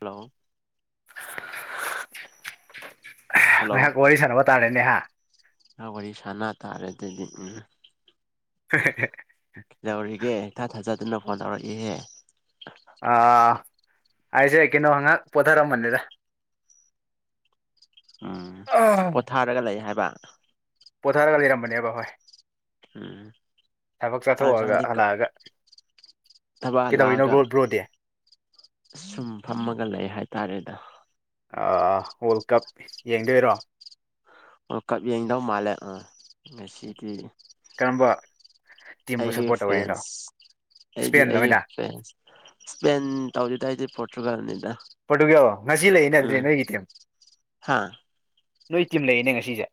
Hello hello ꯉꯥꯏꯍꯥꯛ ꯋꯥꯔꯤ ꯁꯅꯕ ꯇꯔꯅꯦ ꯍꯥꯏ ꯉꯥꯏꯍꯥꯛ ꯋꯥꯔꯤ ꯁꯥꯟꯅ ꯇꯥꯔꯦ ꯑꯗꯨꯗꯤ ꯎꯝ ꯀ ꯇꯧꯔꯤꯒꯦ ꯏ ꯊꯥ ꯊꯥꯖꯗꯨꯅ ꯐꯣꯟ ꯇꯧꯔꯛꯏꯍꯦ ꯑꯥ ꯑꯩꯁꯦ ꯀꯩꯅꯣ ꯉꯥꯛ ꯄꯣꯊꯔꯝꯃꯅꯤꯗ ꯎꯝ ꯄꯣꯊꯥꯔꯒ ꯂꯩ ꯍꯥꯏꯕ [unintelligible] ꯄꯣꯊꯔꯒ ꯂꯩꯔꯝꯕꯅꯦꯕ ꯍꯣꯏ ꯎꯝ ꯊꯕꯛ ꯆꯥꯛ ꯆꯥꯊꯣꯛꯑꯒ ꯏꯟꯁꯥꯡꯗꯤ ꯍꯜꯂꯛꯑꯒ ꯊꯕꯛ ꯀꯩꯗꯧꯔꯤꯅꯣ ꯕ꯭ꯔꯣ ꯕ꯭ꯔꯣꯗꯤ ꯍꯜꯂꯥꯛꯑꯒ ꯇꯥꯔꯦꯗ ꯋꯥꯔꯜ ꯀꯥꯞ ꯌꯦꯡꯗꯣꯏꯔꯣ ꯋꯥꯔꯜ ꯀꯥꯞ ꯌꯦꯡꯗꯧ ꯃꯥꯂꯦ ꯉꯁꯤꯗꯤ ꯀꯔꯝꯕ ꯇꯤꯝꯕꯨ ꯑꯩꯒꯤ ꯁꯞꯄꯣꯔꯠ ꯇꯧꯔꯤꯅꯣ ꯐ꯭ꯔꯦꯟꯁ ꯑꯩꯗꯤ ꯏꯁꯄꯦꯟꯗ ꯑꯩꯒꯤ ꯑꯣꯏꯅ ꯐ꯭ꯔꯦꯟꯁ ꯏꯁꯄꯦꯟ ꯇꯧꯗꯦꯗ ꯑꯩꯗꯤ ꯄ꯭ꯔꯣꯇ꯭ꯔꯨꯒꯜꯅꯤꯗ ꯄꯔꯣꯇ꯭ꯔꯨꯒꯜ ꯉꯁꯤ ꯂꯩꯅ ꯑꯗꯨ ꯅꯣꯢꯒꯤꯗꯤ ꯍꯥ ꯅꯣꯏ ꯇꯤꯝ ꯂꯩꯌꯦꯅꯦ ꯉꯁꯤꯁꯦ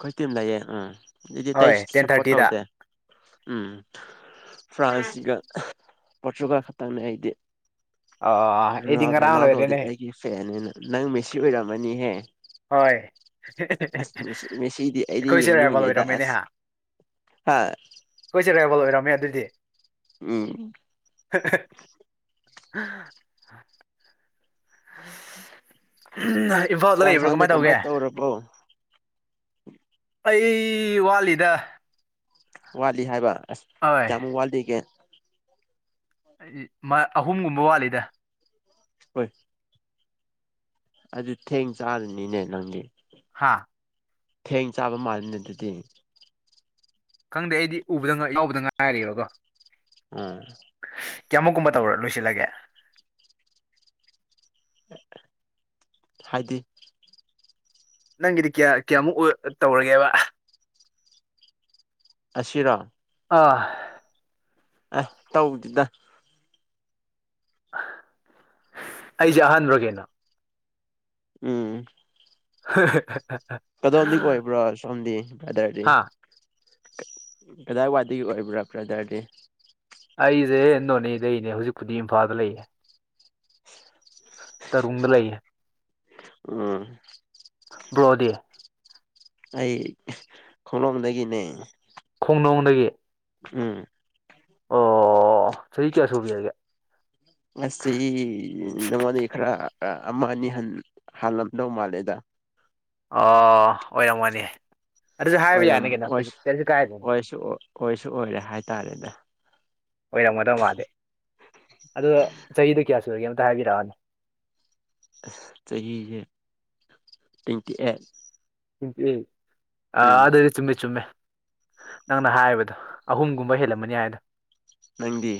ꯈꯣꯏꯇꯤꯝ ꯂꯩꯌꯦ ꯎꯝ ꯑꯗꯨꯗꯤ ꯍꯣꯏ ꯇꯦꯟ ꯁꯞꯄꯣꯔꯠ ꯊꯥꯔꯇꯤꯗ ꯇꯧꯗꯦ ꯎꯝ ꯐ꯭ꯔꯥꯟꯁꯒ ꯄꯔꯣꯇ꯭ꯔꯨꯒꯜ ꯈꯇꯪꯅꯦ ꯑꯩꯗꯤ ꯑ ꯑꯩꯗꯤ ꯔꯣꯅꯥꯜ ꯉꯔꯥꯡ ꯔꯣꯅꯥꯜꯗꯣꯗꯤ ꯂꯣꯏꯔꯦꯅꯦ ꯑꯩꯒꯤ ꯐꯦꯅꯤꯅ ꯅꯪ ꯃꯦꯁꯤ ꯑꯣꯏꯔꯝ ꯃꯅꯤ ꯍꯦ ꯍꯣꯏ ꯃꯦꯁꯤꯗꯤ ꯑꯩꯗꯤ ꯑꯩꯈꯣꯏꯁꯦ ꯔꯥꯏꯕꯜ ꯌꯦꯡꯅꯤꯡꯉꯤꯗ ꯑꯣꯏꯔꯝꯃꯦꯅꯦ ꯍꯥ ꯑꯁ ꯍꯥ ꯑꯩꯈꯣꯏꯁꯦ ꯔꯥꯏꯕꯜ ꯑꯣꯏꯔꯝꯃꯦ ꯑꯗꯨꯗꯤ ꯎꯝ [unintelligible] [unintelligible] ꯆꯥꯁꯥꯟꯗꯤ ꯀꯃꯥꯏꯅ ꯇꯧꯒꯦ ꯀꯃꯥꯏ ꯇꯧꯔꯣꯕꯣ꯫ ꯑꯩ ꯋꯥꯠꯂꯤꯗ ꯋꯥꯠꯂꯤ ꯍꯥꯏꯕ ꯑꯁ ꯍꯣꯏ ꯀꯌꯥꯝ ꯋꯥꯠꯂꯤꯒꯦ ꯑꯍꯨꯝꯒꯨꯝꯕ ꯋꯥꯠꯂꯤꯗ ꯍꯣꯏ ꯑꯗꯨ ꯊꯦꯡ ꯆꯥꯔꯅꯤꯅꯦ ꯅꯪꯗꯤ ꯍꯥꯥ ꯊꯦꯡ ꯆꯥꯕ ꯃꯥꯜꯂꯤꯅꯦ ꯑꯗꯨꯗꯤ ꯈꯪꯗꯦ ꯑꯩꯗꯤ ꯎꯕꯗ ꯌꯥꯎꯕꯗ ꯉꯥꯏꯔꯤꯀꯣ ꯎꯝ ꯀꯌꯥꯃꯨꯛꯀꯨꯝꯕ ꯇꯧꯔ ꯂꯣꯏꯁꯤꯜꯂꯒꯦ ꯍꯥꯏꯗꯤ ꯅꯪꯒꯤꯗꯤ ꯀꯌꯥ ꯀꯌꯥꯃꯨꯛ ꯇꯧꯔꯒꯦꯕ ꯑꯁꯤꯔꯥ ꯑꯥ ꯑ ꯇꯧꯗꯦꯗ ꯑꯩꯁꯦ ꯑꯍꯥꯟꯕ꯭ꯔ ꯀꯩꯅꯣ ꯎꯝ [unintelligible] ꯀꯗꯣꯝꯗꯩꯩ ꯑꯣꯏꯕ꯭ꯔꯣ ꯁꯣꯝꯗꯤ ꯕ꯭ꯔ꯭ꯗꯔꯗꯤ ꯍꯥ ꯀꯗꯥꯏ ꯋꯥꯏꯗꯒꯤ ꯑꯣꯏꯕ꯭ꯔꯥ ꯕ꯭ꯔꯗꯔꯗꯤ ꯑꯩꯁꯦ ꯅꯣꯅꯦꯗꯩꯅꯦ ꯍꯧꯖꯤꯛꯄꯨꯗꯤ ꯏꯝꯐꯥꯜꯗ ꯂꯩꯌꯦ ꯇꯔꯨꯡꯗ ꯂꯩꯌꯦ ꯎꯝ ꯕ꯭ꯔꯣꯗꯤ ꯑꯩ ꯈꯣꯡꯂꯣꯝꯗꯒꯤꯅꯦ [unintelligible] ꯎꯝ ꯑꯣ ꯆꯍꯤ ꯀꯌꯥ ꯁꯨꯕꯤꯔꯒꯦ ꯉꯁꯤ ꯅꯪꯉꯣꯟꯗꯒꯤ ꯈꯔ ꯑꯃ ꯑꯅꯤ ꯍꯥꯜꯂꯝꯗꯧ ꯃꯥꯜꯂꯦꯗ ꯑꯣ ꯑꯣꯏꯔꯝꯒꯅꯤ ꯑꯗꯨꯁꯨ ꯍꯥꯏꯕ ꯑꯣꯏꯔꯝ ꯌꯥꯅꯤ ꯀꯩꯅꯣ ꯑꯣꯏ ꯀꯩ- ꯀꯩꯁꯨ ꯀꯥꯏꯗꯦꯅꯤ ꯑꯣꯏꯁꯨ ꯑꯣꯏꯁꯨ ꯑꯣꯏꯔꯦ ꯍꯥꯏꯇꯥꯔꯦꯅꯦ ꯑꯣꯏꯔꯝꯒꯗꯕ ꯃꯥꯜꯂꯤ ꯑꯗꯨ ꯆꯍꯤꯗꯨ ꯀꯌꯥ ꯁꯨꯔꯒꯦ ꯑꯝꯇ ꯍꯥꯏꯕꯤꯔꯛꯎꯅꯦ ꯆꯍꯤꯁꯦ ꯇ꯭ꯋꯦꯟꯇꯤ ꯑꯦꯠ ꯑꯦ ꯑ ꯑꯗꯨꯗꯤ ꯆꯨꯝꯃꯦ ꯆꯨꯝꯃꯦ ꯅꯪꯅ ꯍꯥꯏꯕꯗꯣ ꯑꯍꯨꯝꯒꯨꯝꯕ ꯍꯦꯜꯂꯝꯃꯅꯤ ꯍꯥꯏꯗ ꯅꯪꯗꯤ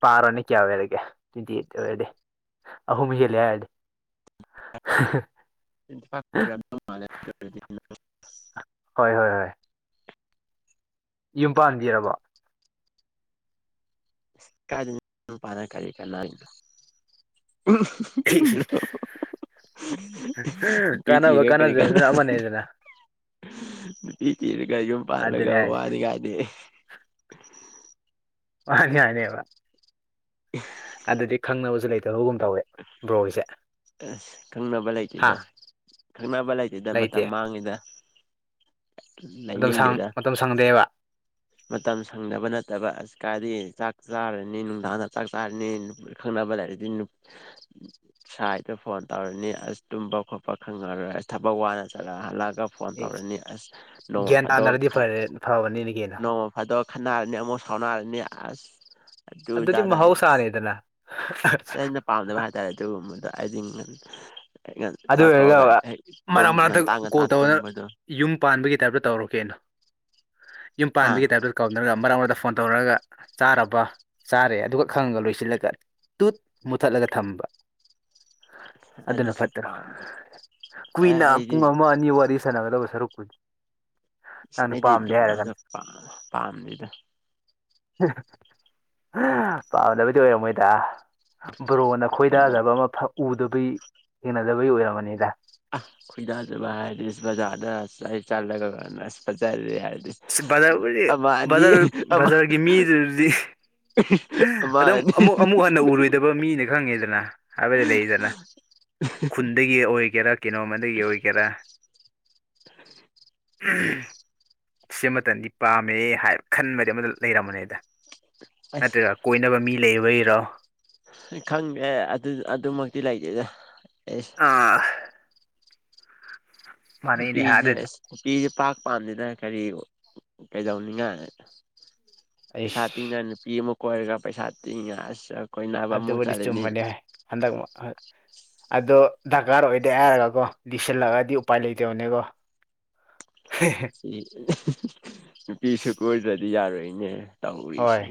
ꯄꯥꯔꯅꯤ ꯀꯌꯥ ꯑꯣꯏꯔꯒꯦ ꯇ꯭ꯋꯦꯟꯇꯤ ꯑꯩꯠꯇ ꯑꯣꯏꯔꯗꯤ ꯑꯍꯨꯝ ꯍꯦꯜꯂꯦ ꯍꯥꯏꯔꯗꯤ [unintelligible] ꯍꯣꯏ ꯍꯣꯏ ꯍꯣꯏ ꯌꯨꯝ ꯄꯥꯟꯕꯤꯔꯕꯣ [unintelligible] ꯅꯨꯄꯤ ꯀꯥꯟꯅꯕ ꯊꯤꯔꯒ ꯀꯔꯤ ꯀꯥꯟꯅ ꯀꯥꯟꯅꯗꯕꯗꯨꯅ ꯑꯃꯅꯦꯗꯅ ꯅꯨꯄꯤ ꯊꯤꯔꯒ ꯌꯨꯝ ꯄꯥꯜꯂꯒ ꯑꯗꯨꯅꯦ ꯍꯥꯏꯁꯦ ꯋꯥꯅꯤꯡꯉꯥꯏꯗꯤ ꯑꯁ [unintelligible] ꯑꯗꯗꯤ ꯈꯪꯅꯕꯖꯨ ꯂꯩ ꯑꯁ ꯈꯪꯅꯕ ꯍꯥ ꯂꯩꯇꯦꯗ ꯈꯪꯅꯕ ꯂꯩꯇꯦꯗ ꯂꯩꯇꯦ ꯃꯇꯝ ꯃꯥꯡꯉꯤꯗ ꯃꯇꯝ ꯁꯪ ꯂꯩꯅꯤꯡꯗꯦꯗ ꯃꯇꯝ ꯁꯪꯗꯦꯕ ꯃꯇꯝ ꯁꯪꯗꯕ ꯅꯠꯇꯕ ꯑꯁ ꯀꯥꯏꯗꯤ ꯆꯥꯛ ꯆꯥꯔꯅꯤ ꯅꯨꯡꯗꯥꯡꯗ ꯆꯥꯛ ꯆꯥꯔꯅꯤ ꯈꯪꯅꯕ ꯂꯩꯔꯗꯤ ꯁꯥꯏꯗ ꯐꯣꯟ ꯇꯧꯔꯅꯤ ꯑꯁ ꯇꯨꯝꯕ ꯈꯣꯠꯄ ꯈꯪꯉꯔꯣꯏ ꯑꯁ ꯊꯕꯛ ꯋꯥꯅ ꯆꯠꯂꯛ ꯍꯜꯂꯛ ꯐꯣꯟ ꯇꯧꯔꯅꯤ ꯑꯁ ꯅꯣꯡꯃ ꯒ꯭ꯌꯥꯟ ꯐꯥꯗꯣꯛ ꯇꯥꯅꯔꯗꯤ ꯐꯔꯦ ꯐꯕꯅꯤꯅꯦ ꯀꯩꯅꯣ ꯅꯣꯡꯃ ꯐꯥꯗꯣꯛ ꯈꯠꯅꯔꯅꯤ ꯑꯃꯨꯛ ꯁꯥꯎꯅꯔꯅꯤ ꯑꯁ ꯑꯗꯨꯗꯤ ꯑꯗꯨꯗꯥꯅ ꯃꯍꯧꯁꯥꯅꯤꯗꯅ ꯑꯩꯅ ꯄꯥꯝꯗꯕ ꯍꯥꯏꯇꯥꯔꯦ ꯑꯗꯨꯒꯨꯝꯕꯗ ꯑꯩꯗꯤ ꯉꯟ ꯑꯗꯨ ꯑꯣꯏꯔꯒ ꯑ ꯃꯔꯛ ꯃꯔꯛꯇ ꯉꯟꯇꯥ ꯉꯟꯇꯥ ꯀꯣꯜ ꯇꯧꯋꯅ ꯇꯨꯝꯕꯗꯣ ꯌꯨꯝ ꯄꯥꯟꯕꯒꯤ ꯇꯥꯏꯞꯇ ꯇꯧꯔꯛꯀꯦꯅꯣ ꯌꯨꯝ ꯍꯥ ꯄꯥꯟꯕꯒꯤ ꯇꯥꯏꯞꯇ ꯀꯥꯎꯅꯔ ꯃꯔꯛ ꯃꯔꯛꯇ ꯐꯣꯟ ꯇꯧꯔꯒ ꯆꯥꯔꯕ ꯆꯥꯔꯦ ꯑꯗꯨꯒꯛ ꯈꯪꯉꯒ ꯂꯣꯏꯁꯤꯜꯂꯒ ꯇꯨꯠ ꯃꯨꯊꯠꯂꯒ ꯊꯝꯕ ꯁ ꯑꯗꯨꯅ ꯑꯗꯨꯁꯨ ꯐꯠꯇ꯭ꯔꯣ ꯄꯥꯝꯗ ꯑꯦ ꯀꯨꯏꯅ ꯑꯩꯗꯤ ꯄꯨꯡ ꯑꯃ ꯑꯅꯤ ꯋꯥꯔꯤ ꯁꯥꯟꯅꯔ ꯗꯕ ꯁꯔꯨꯛꯄꯨꯗꯤ ꯏꯁ ꯑꯩꯗꯤ ꯑꯗꯨꯒꯨꯝꯕꯗ ꯄꯥ ꯄꯥꯝꯗꯦꯗ [unintelligible] ꯄꯥꯝꯗꯕꯩꯗꯤ ꯑꯣꯏꯔꯝꯃꯣꯏꯗ ꯕ꯭ꯔꯣꯅ ꯑꯗꯨꯅ ꯈꯣꯏꯗꯥꯖꯕ ꯑꯃ ꯐꯞ ꯎꯗꯕꯩ ꯊꯦꯡꯅꯗꯕꯩ ꯑꯣꯏꯔꯝꯃꯅꯤꯗ ꯑ ꯈꯣꯏꯗꯥꯖꯕ ꯍꯥꯏꯔꯗꯤ ꯕꯖꯥꯔꯗ ꯆ ꯆꯠꯂꯒ [unintelligible] ꯕꯖꯔꯕꯨꯗꯤ ꯑꯃ ꯑꯅꯤ ꯕꯖꯔ ꯑꯃ ꯕꯖꯔꯒꯤ ꯃꯤꯗꯨꯗꯤ ꯑꯃ ꯑꯗꯨꯝ ꯑꯅꯤ ꯑꯃꯨꯛ ꯑꯃꯨꯛ ꯍꯟꯅ ꯎꯔꯣꯏꯗꯕ ꯃꯤꯅ ꯈꯪꯉꯦꯗꯅ ꯍꯥꯏꯕꯗꯤ ꯂꯩꯗꯅ ꯈꯨꯟꯗꯒꯤ ꯑꯣꯏꯒꯦꯔꯥ ꯀꯤꯅꯣꯝꯃꯗꯒꯤ ꯑꯣꯏꯒꯦꯔꯥ ꯎꯍꯨꯝ ꯁꯤꯃꯇꯟꯗꯤ ꯄꯥꯝꯃꯦ ꯍꯥꯏ ꯈꯟꯕꯗꯤ ꯑꯃꯗ ꯂꯩꯔꯝꯕꯅꯦꯗ ꯑꯁ ꯅꯠꯇ꯭ꯔꯔ ꯀꯣꯏꯅꯕ ꯃꯤ ꯂꯩꯕꯩꯔꯣ ꯈꯪꯗꯦ ꯑꯗꯨ ꯑꯗꯨꯃꯛꯇꯤ ꯂꯩꯇꯦꯗ ꯑꯦꯁ ꯑꯥ ꯃꯥꯟꯅꯩꯅꯦ ꯅꯨꯄꯤꯖꯦ ꯑꯗꯨꯗꯤ ꯑꯁ ꯅꯨꯄꯤꯖꯦ ꯄꯥꯛ ꯄꯥꯝꯗꯦꯗꯥꯏ ꯀꯔꯤ ꯀꯩꯗꯧꯅꯤꯉꯥꯏ ꯄꯩꯁꯥ ꯑꯩꯁ ꯇꯤꯅ ꯅꯨꯄꯤ ꯑꯃꯨ ꯀꯣꯏꯔꯒ ꯄꯩꯁꯥ ꯇꯤꯡꯉ ꯑꯁ ꯀꯣꯏꯅꯕ ꯑꯃꯨꯛ ꯑꯗꯨꯕꯨꯗꯤ ꯆꯠꯂꯅꯤ ꯆꯨꯝꯃꯅꯦ ꯍꯟꯗꯛꯃꯨ ꯍꯥ ꯑꯗꯣ ꯗꯔꯀꯥꯔ ꯑꯣꯏꯗꯦ ꯍꯥꯏꯔꯒꯀꯣ ꯂꯤꯁꯤꯜꯂꯛꯑꯗꯤ ꯎꯄꯥꯏ ꯂꯩꯇꯕꯅꯦꯀꯣ ꯆꯤ [unintelligible] [inaudible] ꯅꯨꯄꯤꯁꯨ ꯀꯣꯏꯖ ꯌꯥꯔꯣꯏꯅꯦ ꯍꯣꯏ ꯇꯧꯔꯤꯁꯤ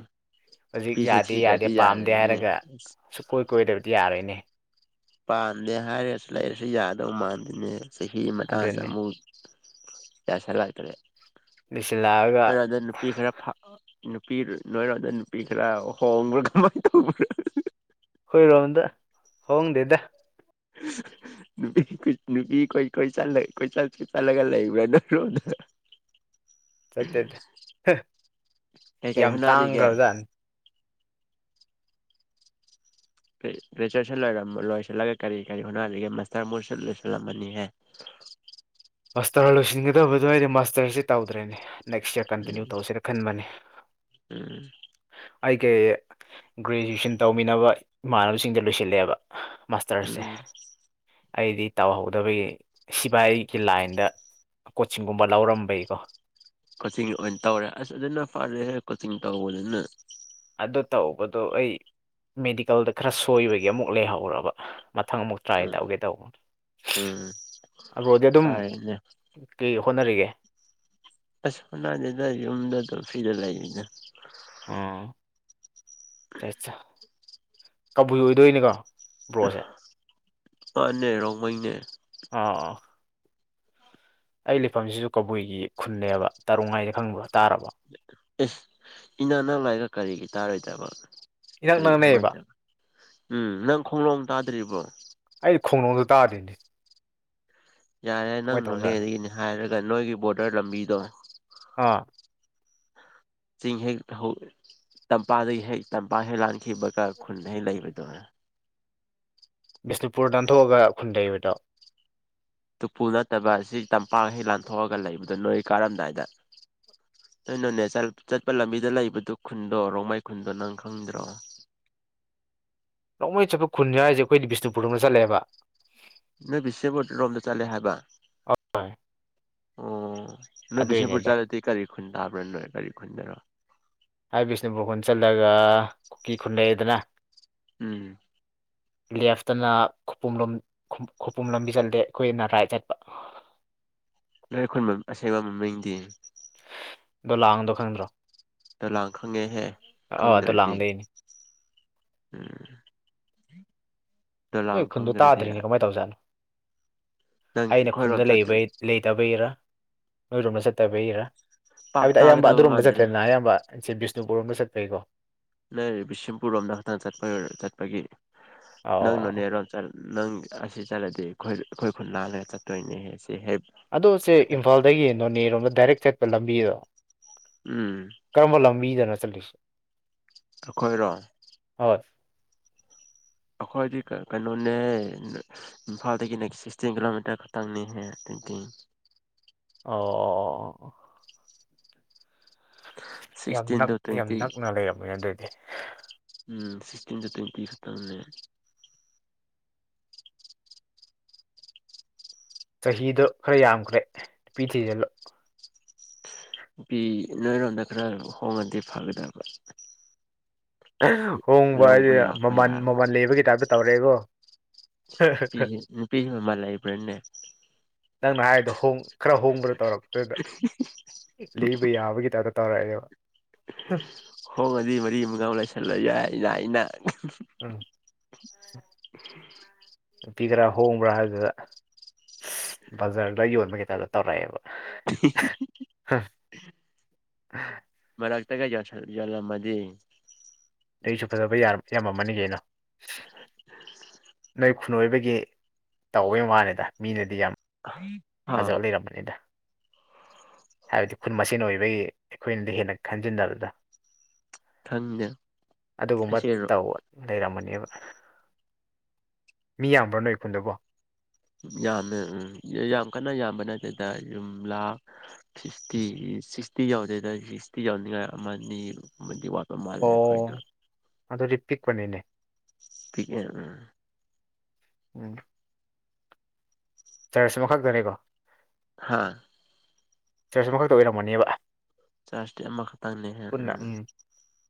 ꯍꯧꯖꯤꯛ ꯅꯨꯄꯤꯁꯨ ꯌꯥꯗꯦ ꯌꯥꯗꯦ ꯊꯤꯗ꯭ꯔꯗꯤ ꯄꯥꯝꯗꯦ ꯌꯥꯔꯣꯏꯅꯦ ꯍꯥꯏꯔꯒ ꯑꯁ ꯁꯨꯛꯀꯣꯏ ꯀꯣꯏꯗꯕꯗꯤ ꯌꯥꯔꯣꯏꯅꯦ ꯄꯥꯟꯗꯦ ꯍꯥꯏꯔꯦꯁꯨ ꯂꯩꯔꯁꯨ ꯌꯥꯗꯧ ꯃꯥꯟꯗꯦꯅꯦ ꯆꯍꯤ ꯃꯇꯥꯁꯦ ꯑꯗꯨꯅꯤ ꯑꯃꯨꯛ ꯌꯥꯁꯤꯜꯂꯛꯇ꯭ꯔꯦ ꯂꯤꯁꯤꯜꯂꯛꯑꯒ ꯈꯔꯗ ꯅꯨꯄꯤ ꯈꯔ ꯐꯥꯥ ꯅꯨꯄꯤ ꯅꯣꯏꯔꯣꯝꯗ ꯅꯨꯄꯤ ꯈꯔ ꯍꯣꯡꯕ꯭ꯔꯥ ꯀꯃꯥꯏꯅ ꯇꯧꯕ꯭ꯔ ꯈꯣꯏꯔꯣꯝꯗ ꯍꯣꯡꯗꯦꯗ ꯅꯨꯄꯤ ꯅꯨꯄꯤ ꯀꯣꯏ ꯀꯣꯢ ꯆꯠꯂꯒ ꯀꯣꯏꯆꯠ ꯆꯠꯂꯒ ꯂꯩꯕ꯭ꯔ ꯅꯣꯏꯔꯣꯝꯗ ꯆꯠꯇꯦ ꯍ ꯀꯩ ꯀꯩ ꯌꯥꯝ ꯍꯣꯠꯅꯔꯤꯒꯦ ꯇꯥꯡꯈ꯭ꯔꯕ ꯖꯥꯠꯅꯤ ꯒ꯭ꯔꯦꯖꯨꯌꯦꯁꯟ ꯂꯣꯏꯔꯝ ꯂꯣꯏꯁꯤꯜꯂꯒ ꯀꯔꯤ ꯀꯔꯤ ꯍꯣꯠꯅꯔꯤꯒꯦ ꯃꯥꯁꯇꯔ ꯃꯣꯏꯁꯨ ꯂꯣꯏꯁꯤꯜꯂꯝꯃꯅꯤꯍꯦ ꯃꯥꯁꯇꯔ ꯂꯣꯏꯁꯤꯟꯒꯗꯕꯗꯣ ꯑꯩꯗꯤ ꯃꯥꯁꯇꯔꯁꯦ ꯇꯧꯗ꯭ꯔꯦꯅꯦ ꯅꯦꯛꯁ ꯌꯥꯔ ꯎꯝ ꯀꯟꯇꯤꯅ꯭ꯌꯨ ꯇꯧꯁꯤꯔ ꯈꯟꯕꯅꯤ ꯎꯝ ꯑꯩ ꯀꯩ ꯒ꯭ꯔꯦꯖꯨꯑꯦꯁꯟ ꯇꯧꯃꯤꯟꯅꯕ ꯏꯃꯥꯟꯅꯕꯁꯤꯡꯗꯤ ꯂꯣꯏꯁꯤꯜꯂꯦꯕ ꯃꯥꯁꯇꯔꯁꯦ ꯎꯝ ꯑꯩꯗꯤ ꯇꯧꯍꯧꯗꯕꯒꯤ ꯁꯤꯐꯥꯢꯒꯤ ꯂꯥꯏꯟꯗ ꯀꯣꯆꯤꯡꯒꯨꯝꯕ ꯂꯧꯔꯝꯕꯩꯀꯣ ꯀꯣꯆꯤꯡ ꯑꯣꯏꯅ ꯇꯧꯔꯦ ꯑꯁ ꯑꯗꯨꯅ ꯐꯔꯦ ꯀꯣꯆꯤꯡ ꯁꯄꯄꯣꯠꯔ ꯑꯗꯨ ꯇꯧꯕꯗꯣ ꯑꯩ ꯃꯦꯗꯤꯀꯦꯜꯗ ꯈꯔ ꯁꯣꯏꯕꯒꯤ ꯑꯃꯨꯛ ꯂꯩꯍꯧꯔꯕ ꯃꯊꯪ ꯑꯃꯨꯛ ꯇ꯭ꯔꯥꯏ ꯎꯝ ꯇꯧꯒꯦ ꯇꯧꯕ ꯎꯝ ꯑꯔꯣꯗꯤ ꯑꯗꯨꯝ ꯐꯔꯦꯅꯦ ꯀꯩ ꯍꯣꯠꯅꯔꯤꯒꯦ ꯍꯣꯠꯅꯗꯦꯗ ꯌꯨꯝꯗ ꯐ꯭ꯔꯤꯗ ꯂꯩꯗ ꯎꯝ [unintelligible] ꯀꯕꯨꯏ ꯑꯣꯏꯗꯣꯏꯅꯤꯀꯣ ꯕ꯭ꯔꯣꯁꯦ ꯃꯥꯅꯦ ꯔꯣꯡꯃꯩꯅꯦ ꯑꯥ ꯑꯥ ꯑꯩ ꯂꯩꯐꯝꯁꯤꯁꯨ ꯀꯧꯕꯨꯏꯒꯤ ꯈꯨꯟꯅꯦꯕ ꯇꯔꯨꯡ ꯍꯥꯏꯅ ꯈꯪꯕ ꯇꯥꯔꯕꯣ ꯑꯦꯁ ꯏꯅꯛ ꯅꯛ ꯂꯩꯔꯒ ꯀꯔꯤꯒꯤ ꯇꯥꯔꯣꯏꯗꯕ ꯏꯅꯛ ꯀꯔꯤ ꯅꯛꯅꯩꯌꯦꯕ ꯈꯪꯉꯣꯏꯗꯕ ꯎꯝ ꯅꯪ ꯈꯣꯡꯂꯣꯝ ꯇꯥ [unintelligible] ꯑꯩꯗꯤ ꯈꯣꯡꯅꯨꯡ ꯇꯥꯗꯦꯅꯦ ꯌꯥꯔꯦ ꯅꯪ ꯀꯃꯥꯏꯅ ꯇꯧꯔꯖꯥꯠꯅꯣ ꯅꯣꯅꯦꯗꯒꯤꯅꯤ ꯍꯥꯏꯔꯒ ꯅꯣꯏꯒꯤ ꯕꯣꯔꯗꯔ ꯂꯝꯕꯤꯗꯣ ꯑꯥ ꯆꯤꯡ ꯍꯦꯛ ꯍꯧ ꯇꯝꯄꯥꯛꯇꯒꯤ ꯍꯦꯛ ꯇꯝꯄꯥꯛ ꯍꯦꯛ ꯂꯥꯟ ꯈꯤꯕꯒ ꯈꯨꯟꯍꯩ ꯂꯩꯕꯅꯤ [unintelligible] ꯕꯤꯁꯅꯨꯄꯨꯔ ꯂꯥꯟꯊꯣꯛꯑꯒ ꯈꯨꯟ ꯂꯩꯕꯗꯣ ꯇꯨꯄꯨ ꯅꯠꯇꯕ ꯁꯤ ꯇꯝꯄꯥꯛ ꯍꯦꯛ ꯂꯥꯟꯊꯣꯛꯑꯒ ꯂꯩꯕꯗꯣ ꯅꯣꯏ ꯀꯥꯔꯝꯗꯥꯏꯗ ꯅꯣꯏ ꯅꯣꯅꯦ ꯆꯠ ꯆꯠꯄ ꯂꯝꯕꯤꯗ ꯂꯩꯕꯗꯨ ꯈꯨꯟꯗꯣ ꯔꯣꯡꯃꯩ ꯈꯨꯟꯗꯣ ꯅꯪ ꯈꯪꯗ꯭ꯔꯣ ꯅꯣꯡꯃꯩ ꯆꯠꯄ ꯈꯨꯟꯅꯤ ꯍꯥꯏꯁꯦ ꯑꯩꯈꯣꯏꯗꯤ ꯕꯤꯁꯅꯨꯄꯨꯔ ꯔꯣꯝꯗ ꯆꯠꯂꯦꯕ ꯅꯣꯏ ꯕꯤꯁꯦꯝꯄꯨꯔ ꯔꯣꯝꯗ ꯆꯠꯂꯦ ꯍꯥꯏꯕ ꯑꯣꯝ ꯅꯣꯏ ꯕꯤꯁꯦꯝꯄꯨꯔ ꯑꯗꯨꯏꯅꯦꯗ ꯆꯠꯂꯗꯤ ꯀꯔꯤ ꯈꯨꯟ ꯇꯥꯕ꯭ꯔꯥ ꯅꯣꯏ ꯀꯔꯤ ꯈꯨꯟꯗꯅꯣ ꯕꯤꯁꯅꯨꯄꯨꯔ ꯈꯨꯟ ꯆꯠꯂꯒ ꯀꯨꯀꯤ ꯈꯨꯟ ꯂꯩꯩꯗꯅ ꯎꯝ ꯂꯦꯐꯇꯅ ꯈꯨꯄ ꯂꯣꯝ ꯈꯨꯄꯨꯝ ꯂꯝꯕꯤ ꯆꯠꯂꯦ ꯑꯩꯈꯣꯏꯅ ꯔꯥꯏꯠ ꯆꯠꯄ ꯅꯣꯏꯈꯟ ꯑꯁꯦꯡꯕ ꯃꯃꯤꯡꯗꯤ ꯗꯣ ꯂꯥꯡꯗ ꯈꯪꯗ꯭ꯔꯣ ꯗꯣ ꯂꯥꯡ ꯈꯪꯉꯦꯍꯦ ꯑꯥ ꯈꯪꯗ꯭ꯔꯗꯤ ꯗꯣꯂꯥꯡꯗꯩꯅꯤ ꯎꯝ ꯅꯣꯏ ꯗꯣꯂꯥꯡ ꯈꯨꯟꯗꯣ ꯈꯪꯗ꯭ꯔꯗꯤ ꯇꯥꯗ꯭ꯔꯤꯅꯦ ꯀꯃꯥꯏ ꯇꯧꯖꯥꯠꯅꯣ ꯅꯪ ꯑꯩꯅ ꯑꯩꯈꯣꯏꯔꯣꯝ ꯈꯨꯟꯗ ꯂꯩꯕ ꯆꯠꯇ꯭ꯔ ꯂꯩꯇꯕꯩꯔꯥ ꯅꯣꯏꯔꯣꯝꯗ ꯆꯠ ꯇꯕꯩꯔꯥ ꯄꯥꯛ ꯍꯥꯏꯕꯗꯤ ꯑꯌꯥꯝꯕ ꯇꯥꯒꯗꯕ ꯑꯗꯨꯔꯣꯝꯗ ꯃꯥꯟꯗ꯭ꯔꯦ ꯆꯠꯇꯦꯗꯅ ꯑꯌꯥꯝꯕꯕꯤꯁ ꯕꯤꯁꯅꯨꯨꯔꯣꯝꯗ ꯆꯠꯄꯩꯀꯣ ꯅ ꯕꯤꯁꯦꯝꯄꯨꯔꯔꯣꯝꯗ ꯈꯛꯇꯪ ꯆꯠꯄ ꯆꯠꯄꯒꯤ ꯅꯪ ꯑꯣ ꯅꯣꯏꯔꯣꯝ ꯆꯠ ꯑꯁꯤ ꯆꯠꯂꯗꯤ ꯑꯩꯈꯣꯏ ꯑꯩꯈꯣꯏ ꯈꯨꯟ ꯂꯥꯜꯂꯒ ꯆꯠꯇꯣꯏꯅꯦ ꯍꯦ ꯑꯗꯣ ꯁꯦ ꯏꯝꯐꯥꯜꯗꯒꯤ ꯅꯣꯅꯦꯔꯣꯝꯗ ꯗꯥꯏꯔꯦꯛ ꯆꯠ ꯂꯝꯕꯤꯘꯣ ꯎꯝ ꯀꯔꯝꯕ ꯂꯝꯕꯤꯗꯅꯣ ꯆꯠꯂꯦ ꯑꯩꯈꯣꯏꯔꯣꯝ ꯑꯩꯈꯣꯏꯗꯤ ꯀꯩꯅꯣꯅꯦ ꯏꯝꯐꯥꯜꯗꯒꯤꯅꯦ ꯁꯤꯛꯁꯇꯤꯟ ꯀꯤꯂꯣꯃꯤꯇꯔ ꯈꯛꯇꯪꯅꯦꯍꯦ ꯑꯗꯨꯗꯤ ꯑꯣ ꯌꯥꯝ ꯅꯛ ꯁꯤꯛꯁꯇꯤꯟꯗꯣ ꯌꯥꯝ ꯇ꯭ꯋꯦꯟꯇꯤ ꯅꯛꯅ ꯂꯩꯔꯝꯝꯕꯅꯤ ꯑꯗꯨꯏꯗꯤ ꯎꯝ ꯁꯤꯛꯁꯇꯤꯟ ꯆ ꯇ꯭ꯋꯦꯟꯇ ꯁꯠꯇꯅꯦ ꯆꯍꯤꯗꯣ ꯈꯔ ꯌꯥꯝꯈ꯭ꯔꯦ ꯅꯨꯄꯤ ꯊꯤꯖꯤꯜꯂꯨ ꯅꯨꯄꯤ ꯅꯣꯏꯔꯣꯝꯗ ꯈꯔ ꯍꯣꯡꯉꯗꯤ ꯐꯒꯗꯕ ꯍꯣꯡꯕ ꯂꯧꯕ ꯍꯥꯏꯗꯨ ꯂꯥꯛꯄ ꯃꯃꯜ ꯌꯥꯔꯕ ꯃꯃꯜ ꯂꯩꯕꯒꯤ ꯇꯥꯏꯞꯇ ꯇꯧꯔꯛꯑꯦꯕꯣ ꯅꯨꯄꯤ ꯅꯨꯄꯤ ꯃꯃꯜ ꯂꯩꯕ꯭ꯔꯥꯅꯦ ꯅꯪꯅ ꯍꯥꯏꯗꯣ ꯈꯔ ꯍꯣꯡꯕ꯭ꯔꯥ ꯇꯧꯔꯛꯇꯗ ꯂꯩꯕ ꯌꯥ ꯌꯥꯒꯗꯤ ꯇ ꯇꯧꯔꯛꯑ ꯒꯦꯕ ꯍꯣꯡ ꯑꯗꯨꯗꯤ ꯃꯔꯤ ꯑ ꯃꯒꯥꯎ ꯂꯩꯥꯏꯁꯜꯂ ꯌꯥꯏ ꯌꯥ ꯏꯅ ꯑ ꯎꯝ ꯅꯨꯄꯤ ꯈꯔ ꯍꯣꯡꯕ꯭ꯔꯥ ꯍꯥꯏꯕꯁꯤꯗ ꯕꯖꯥꯔꯗ ꯌꯣꯟꯕ ꯀꯩꯇꯥꯗ ꯇꯧꯔꯛꯑꯦꯕ ꯍꯥ ꯁꯤꯠꯗꯒꯥ ꯌꯣꯜꯂꯝꯃꯗꯤ ꯑꯩꯁꯨ ꯐꯖꯕ ꯌꯥꯝꯔꯝ ꯌꯥꯝꯃꯝꯝꯅꯤ ꯀꯩꯅꯣ ꯅꯣꯏ ꯈꯨꯟ ꯑꯣꯏꯕꯒꯤ ꯇꯧꯕꯩ ꯋꯥꯅꯤꯗ ꯃꯤꯅꯗꯤ ꯌꯥꯝ ꯑꯥ ꯐꯖꯕ ꯂꯩꯔꯝꯕꯅꯤꯗ ꯍꯥꯏꯕꯗꯤ ꯈꯨꯟ ꯃꯁꯦꯟ ꯑꯣꯏꯕꯒꯤ ꯑꯩꯈꯣꯏꯅꯗꯤ ꯍꯦꯟꯅ ꯈꯟꯖꯤꯟꯅꯕꯗ ꯈꯪꯗꯦ ꯑꯗꯨꯒꯨꯝꯕ ꯑꯩꯁꯦ ꯇꯧ ꯂꯩꯔꯝꯕꯅꯦꯕ ꯃꯤ ꯌꯥꯝꯕ꯭ꯔꯥ ꯅꯣꯏ ꯈꯨꯟꯗꯕꯣ ꯌꯥꯝꯅ ꯌꯥꯝ ꯀꯟꯅ ꯌꯥꯝꯕ ꯅꯠꯇꯦꯗ ꯌꯨꯝꯂꯥ ꯁꯤꯛꯁꯇꯤ ꯁꯤꯛꯁꯇꯤ ꯌꯥꯎꯗꯦꯗ ꯁꯤꯛꯁꯇꯤ ꯌꯥꯎꯅꯤꯡꯉꯥꯏ ꯑꯃꯅꯤ ꯑꯃꯗꯤ ꯋꯥꯠꯄ ꯃꯥꯜꯂꯦ ꯑꯩꯈꯣꯏꯗꯣ ꯑꯣ ꯑꯗꯨꯗꯤ ꯄꯤꯛꯄꯅꯤꯅꯦ ꯄꯤꯛꯑꯦ ꯎꯝ ꯆꯔꯁ ꯑꯃꯈꯛꯇꯅꯤꯀꯣ ꯍꯥꯥ ꯆꯔꯁ ꯑꯃꯈꯛꯇ ꯑꯣꯏꯔꯝꯃꯅꯦꯕ ꯆꯥꯁꯇꯤ ꯑꯃꯈꯛ ꯄꯨꯟꯅ ꯎꯝ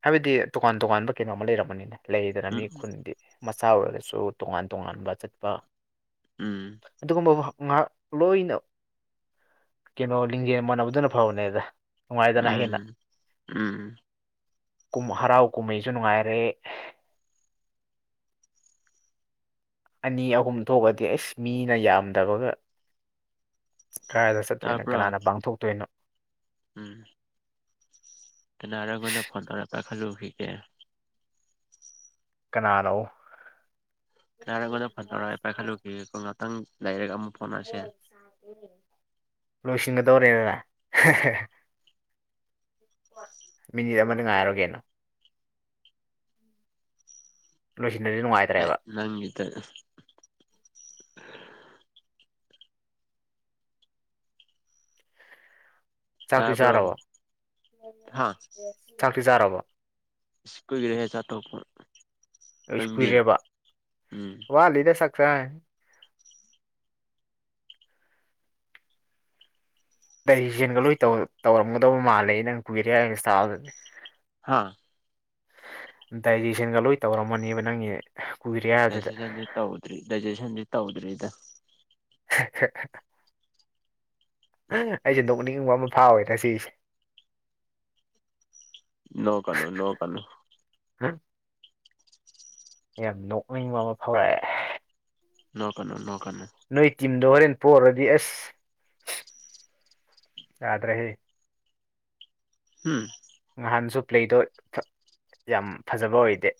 ꯍꯥꯏꯕꯗꯤ ꯇꯣꯀꯥꯟ ꯇꯣꯉꯥꯟꯕ ꯀꯩꯅꯣꯝ ꯑꯃ ꯂꯩꯔꯝꯕꯅꯤꯅ ꯂꯩꯗꯅ ꯃꯤ ꯈꯨꯟꯗꯤ ꯃꯆꯥ ꯑꯣꯏꯔꯒꯁꯨ ꯇꯣꯉꯥꯟ ꯇꯣꯉꯥꯟꯕ ꯆꯠꯄ ꯎꯝ ꯑꯗꯨꯒꯨꯝꯕ ꯉꯥꯏꯍꯥꯛ ꯂꯣꯏꯅ ꯀꯩꯅꯣ ꯂꯤꯡꯖꯦꯜ ꯃꯥꯟꯅꯕꯗꯨꯅ ꯐꯕꯅꯦꯗ ꯅꯨꯡꯉꯥꯏꯗꯅ ꯍꯦꯟꯅ ꯎꯝ ꯎꯝ ꯀꯨꯝ ꯍꯔꯥꯎ ꯀꯨꯝꯍꯩꯁꯨ ꯅꯨꯡꯉꯥꯏꯔꯦ ꯑꯅꯤ ꯑꯍꯨꯝ ꯊꯣꯛꯑꯗꯤ ꯑꯁ ꯃꯤꯅ ꯌꯥꯝꯗꯕꯒ ꯀꯗꯥꯥꯏꯗ ꯆꯠꯇꯣꯏꯅꯣ ꯇꯥꯕ꯭ꯔꯣ ꯀꯅꯥꯅ ꯄꯥꯡꯊꯣꯛꯇꯣꯏꯅꯣ ꯎꯝ ꯀꯅꯔꯦ ꯑꯩꯉꯣꯟꯗ ꯐꯣꯟ ꯇꯧꯔꯛꯄ ꯄꯥꯏꯈꯠꯂꯨꯈꯤꯒꯦ ꯀꯅꯥꯅꯣ ꯇꯔꯛꯄꯗ ꯐꯣꯟ you ꯇꯧꯔꯛꯑꯣ ꯑꯩ ꯄꯥꯏꯈꯠꯂꯨꯈꯤꯒꯦꯀꯣ ꯎꯝ꯫ ꯂꯥꯏꯔꯛ ꯑꯃꯨꯛ ꯐꯥꯎꯅꯁꯦ ꯂꯣꯏꯁꯤꯟꯒꯗꯧꯔꯦꯗꯅ ꯍꯦ ꯍꯦ ꯃꯤꯅꯤꯠ ꯑꯃꯗ ꯉꯥꯏꯔꯒꯦꯅ ꯂꯣꯏꯁꯤ ꯍꯥꯏꯠ ꯅꯪꯒꯤꯗ [inaudible] ꯆꯥꯡꯁꯨ ꯇꯥꯕ꯭ꯔꯣ ꯆꯥꯔꯕꯣ ꯍꯥ ꯆꯥꯡꯇꯨ ꯆꯥꯔꯕꯣ ꯏꯁ ꯀꯨꯏꯔꯦꯍꯦ ꯆꯥꯊꯣꯛ ꯞ ꯑꯩꯁꯨ ꯀꯨꯏꯔꯦꯕ ꯎꯝ ꯋꯥꯠ ꯂꯤꯗ ꯁꯛ ꯀꯥꯏ ꯑꯍꯩ ꯖꯦꯟꯒ ꯂꯣꯏ ꯇꯧ ꯇꯧꯔꯝꯃꯗꯧ ꯃꯥꯜꯂꯦ ꯅꯪ ꯀꯨꯏꯔꯦ ꯍꯥꯏ ꯏꯁꯇꯥꯜꯗꯗꯤ ꯍꯥꯥ ꯗꯥꯏꯖꯦꯁꯟꯒ ꯂꯣꯏ ꯇꯧꯔꯝꯃꯅꯦꯕ ꯅꯪꯒꯤ ꯀꯨꯏꯔꯦ ꯍꯥꯏꯕꯗꯨꯗ ꯗꯥꯏꯖꯦꯁꯟꯗꯤ ꯇꯧꯗ꯭ꯔꯤ ꯗꯥꯏꯖꯦꯁꯟꯗꯤ ꯇꯧꯗ꯭ꯔꯤꯗ [inaudible] ꯑꯩꯁꯦ ꯅꯣꯛꯅꯤꯡꯕ ꯑꯃ ꯐꯥꯎꯋꯦ ꯉꯥꯁꯤꯁꯦ ꯅꯣꯛꯀꯅꯨ ꯅꯣꯛꯀꯅꯨ ꯍꯥ ꯌꯥꯝ ꯅꯣꯛꯅꯤꯡꯕ ꯑꯃ ꯐꯥꯎꯔꯛꯑꯦ ꯅꯣꯀꯅꯣ ꯅꯣ ꯅꯣꯏ ꯇꯤꯝ ꯗꯣ ꯍꯣꯔꯦꯟ ꯄꯣꯛꯔꯗꯤ ꯑꯁ ꯌꯥꯗ꯭ꯔꯦꯍꯦ ꯎꯝ ꯉꯍꯥꯟꯁꯨ ꯄ꯭ꯂꯦꯗꯣ ꯆꯞ ꯌꯥꯝ ꯐꯖꯕ ꯑꯣꯏꯗꯦ